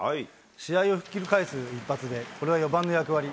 試合をひっくり返す一発で、これは４番の役割。